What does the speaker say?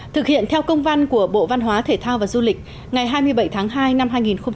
thực hiện theo công văn của bộ văn hóa thể thao và du lịch ngày hai mươi bảy tháng hai năm hai nghìn hai mươi